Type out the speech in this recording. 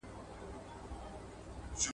زه به سبا د سبا لپاره د درسونو يادوم!